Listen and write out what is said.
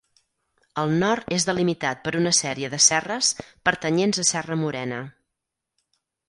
El nord és delimitat per una sèrie de serres pertanyents a Serra Morena.